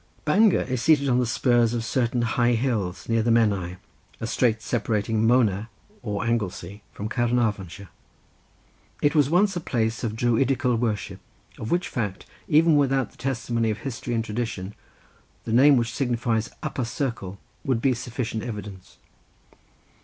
Bangor is seated on the spurs of certain high hills near the Menai, a strait separating Mona or Anglesey from Caernarvonshire. It was once a place of Druidical worship, of which fact, even without the testimony of history and tradition, the name which signifies "upper circle" would be sufficient evidence.